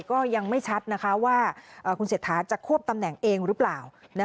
ก็ยังไม่ชัดว่าคุณเศรษฐาจะควบตำแหน่งเองหรือเปล่า